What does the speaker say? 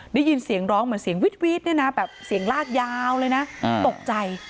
ได้ยินเสียงร้องเหมือนเสียงวีดเนี่ยนะแบบเสียงลากยาวเลยนะตกใจ